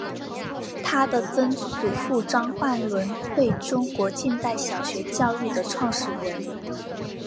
她的曾祖父张焕纶为中国近代小学教育的创始人。